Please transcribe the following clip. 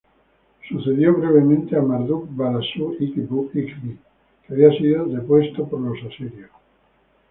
Sucedió brevemente a Marduk-balassu-iqbi, que había sido depuesto por los asirios.